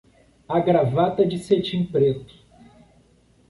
A gravata de cetim preto